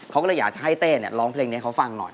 เขาก็เลยอยากจะให้เต้ร้องเพลงนี้เขาฟังหน่อย